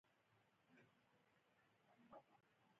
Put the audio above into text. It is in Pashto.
دا خدمات د دولت له خوا وړاندې کیږي.